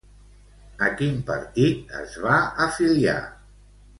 A quin partit es va afiliar?